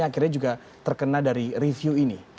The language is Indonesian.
akhirnya juga terkena dari review ini